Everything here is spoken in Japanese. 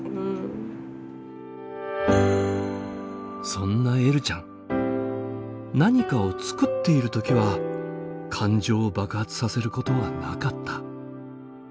そんなえるちゃん何かを作っている時は感情を爆発させることはなかった。